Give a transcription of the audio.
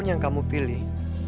siapa yang kamu pilih